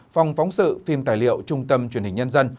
phòng phóng sự phim tài liệu trung tâm truyền hình nhân dân